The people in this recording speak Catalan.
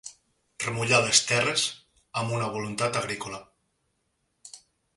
Remullar les terres amb una voluntat agrícola.